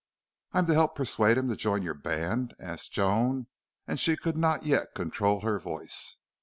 "I'm to help persuade him to join your band?" asked Joan, and she could not yet control her voice.